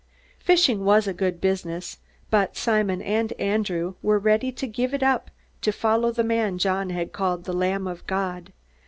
Fishing was good business, but Simon and Andrew were ready to give it up to follow the man John had called "the Lamb of God."